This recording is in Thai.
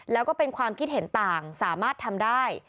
แล้วก็เป็นความคิดเห็นต่างสามารถทำได้